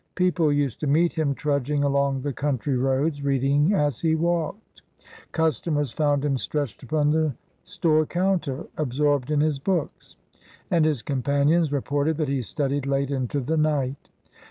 People used to meet him trudging along the country roads, reading as he walked; customers found him stretched upon the store counter, absorbed in his books; and his compan ions reported that he studied late into the night.